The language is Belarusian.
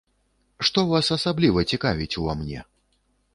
Што вас асабліва цікавіць ува мне?